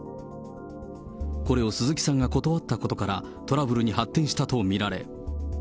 これを鈴木さんが断ったことから、トラブルに発展したと見られ。